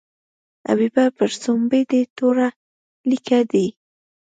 حبیبه پر سومبۍ دې توره لیکه ده.